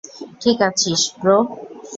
ঠিক আছিস, ব্রো?